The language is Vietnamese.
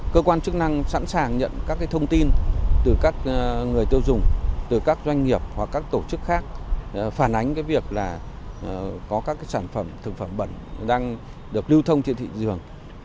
cơ quan chức năng sẵn sàng nhận các thông tin từ các người tiêu dùng doanh nghiệp hoặc tổ chức khác phản ánh việc có các sản phẩm bẩn đang được lưu thông trên thị trường